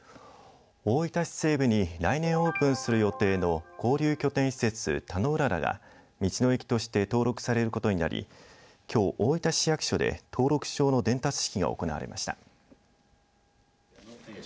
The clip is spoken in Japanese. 大分市西部に来年オープンする予定の交流拠点施設たのうららが道の駅として登録されることになりきょう大分市役所で登録証の伝達式が行われました。